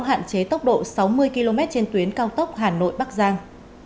hạn chế tốc độ sáu mươi km trên tuyến cao tốc hà nội bắc giang